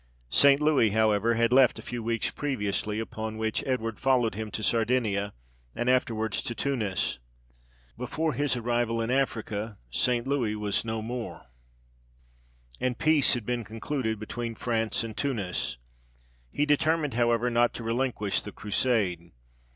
St. Louis, however, had left a few weeks previously; upon which Edward followed him to Sardinia, and afterwards to Tunis. Before his arrival in Africa, St. Louis was no more, and peace had been concluded between France and Tunis. He determined, however, not to relinquish the Crusade.